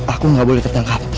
aku gak boleh tertangkap